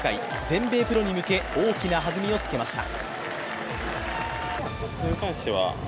全米プロに向け大きなはずみをつけました。